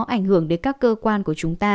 ảnh hưởng đến các cơ quan của chúng ta